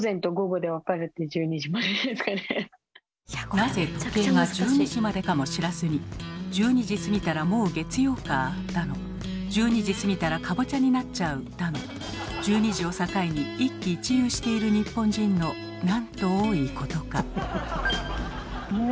なぜ時計が１２時までかも知らずに「１２時過ぎたらもう月曜か」だの「１２時過ぎたらカボチャになっちゃう」だの１２時を境に一喜一憂している日本人のなんと多いことか。